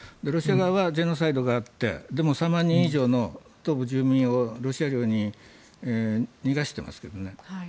ロシア側はジェノサイドがあってで、３万人以上の東部住民をロシア領に逃がしてますけどね。